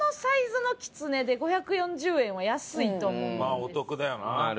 まあお得だよな。